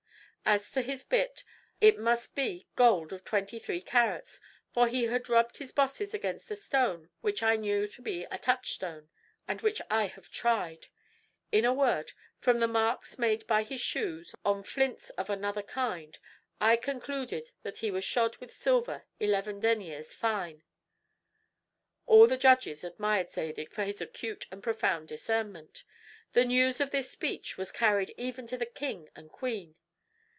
As to his bit, it must be gold of twenty three carats, for he had rubbed its bosses against a stone which I knew to be a touchstone, and which I have tried. In a word, from the marks made by his shoes on flints of another kind, I concluded that he was shod with silver eleven deniers fine." All the judges admired Zadig for his acute and profound discernment. The news of this speech was carried even to the king and queen.